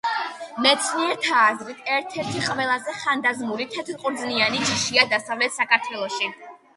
მეცნიერთა აზრით, ერთ-ერთი ყველაზე ხანდაზმული თეთრყურძნიანი ჯიშია დასავლეთ საქართველოში.